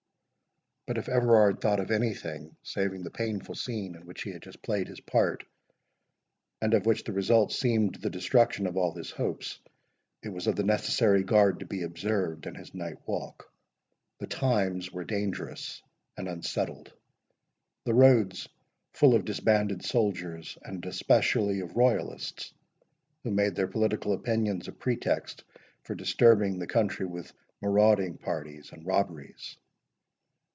But if Everard thought of anything saving the painful scene in which he had just played his part, and of which the result seemed the destruction of all his hopes, it was of the necessary guard to be observed in his night walk. The times were dangerous and unsettled; the roads full of disbanded soldiers, and especially of royalists, who made their political opinions a pretext for disturbing the country with marauding parties and robberies.